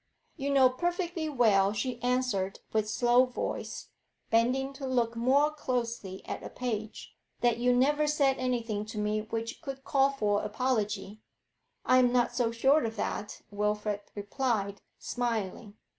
'You know perfectly well,' she answered, with slow voice, bending to look more closely at a page, 'that you never said anything to me which could call for apology.' 'I am not so sure of that,' Wilfrid replied, smiling.